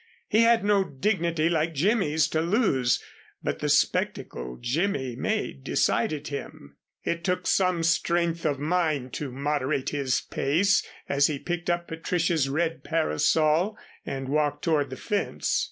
He had no dignity like Jimmy's to lose, but the spectacle Jimmy made decided him. It took some strength of mind to moderate his pace as he picked up Patricia's red parasol and walked toward the fence.